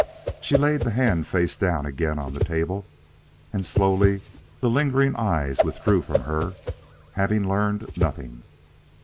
She laid the hand face down again on the table, and slowly the lingering eyes withdrew from her, having learned nothing.